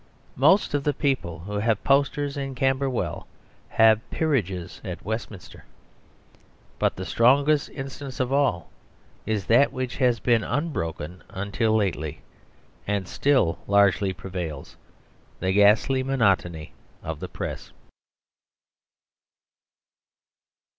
Most of the people who have posters in Camberwell have peerages at Westminster. But the strongest instance of all is that which has been unbroken until lately, and still largely prevails; the ghastly monotony of the Press.